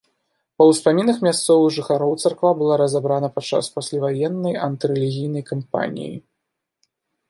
Па ўспамінах мясцовых жыхароў, царква была разабрана падчас пасляваеннай антырэлігійнай кампаніі.